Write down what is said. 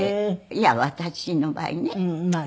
いや私の場合ね。